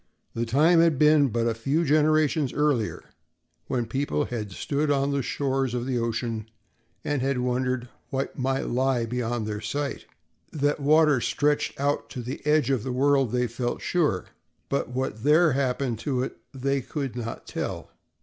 The time had been, but a few generations earlier, when people had stood on the shores of the ocean and had wondered what might lie beyond their sight. That water stretched out to the "edge of the world" they felt sure, but what there happened to it they could not tell.